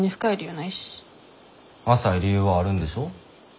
浅い理由はあるんでしょ？